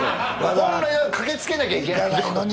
本来は駆けつけなきゃいけない。